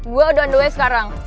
gue udah underway sekarang